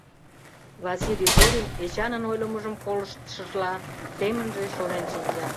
Василий Зорин, Эчанын ойлымыжым колыштшыжла, семынже шонен шинча.